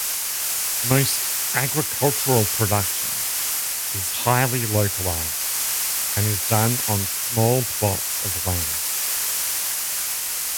Most agricultural production is highly localized and is done on small plots of land.